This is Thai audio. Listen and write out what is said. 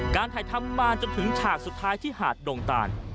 การถ่ายทำมาจนถึงฉากสุดท้ายที่หาดดงตาน